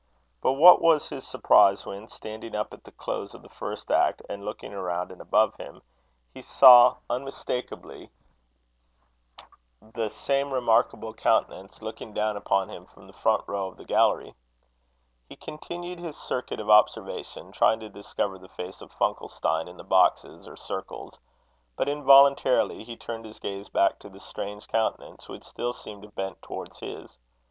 But what was his surprise when, standing up at the close of the first act, and looking around and above him, he saw, unmistakeably, the same remarkable countenance looking down upon him from the front row of the gallery. He continued his circuit of observation, trying to discover the face of Funkelstein in the boxes or circles; but involuntarily he turned his gaze back to the strange countenance, which still seemed bent towards his.